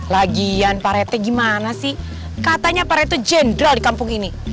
lagian pak rt gimana sih katanya pak rt jenderal di kampung ini